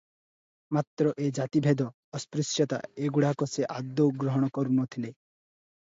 ମାତ୍ର ଏ ଜାତି ଭେଦ- ଅସ୍ପୃଶ୍ୟତା ଏ ଗୁଡ଼ାକୁ ସେ ଆଦୌ ଗ୍ରହଣ କରୁ ନ ଥିଲେ ।